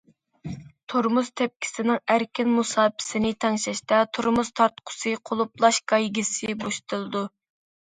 تورمۇز تەپكىسىنىڭ ئەركىن مۇساپىسىنى تەڭشەشتە تورمۇز تارتقۇسى، قۇلۇپلاش گايكىسى بوشىتىلىدۇ.